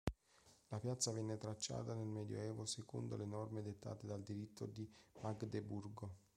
La piazza venne tracciata nel Medioevo secondo le norme dettate dal Diritto di Magdeburgo.